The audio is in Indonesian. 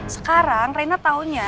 sekarang reina taunya